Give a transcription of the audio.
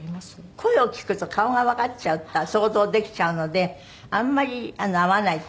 声を聞くと顔がわかっちゃう想像できちゃうのであんまり合わないって言われて。